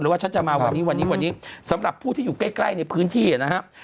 หรือว่าฉันจะมาวันนี้สำหรับผู้ที่อยู่ใกล้ในพื้นที่นะครับ